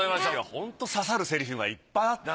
ホント刺さるセリフがいっぱいあった。